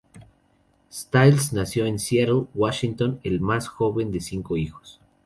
Stiles nació en Seattle, Washington, el más joven de cinco hijos.